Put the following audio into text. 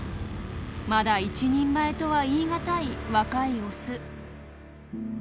まだ一人前とは言い難い若いオス。